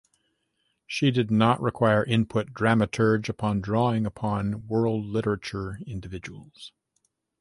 She did not require input dramaturge upon drawing upon world literature individuals.